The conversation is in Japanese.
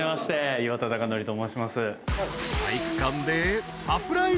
岩田剛典と申します。